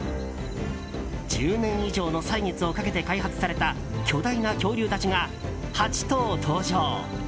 １０年以上の歳月をかけて開発された巨大な恐竜たちが８頭登場。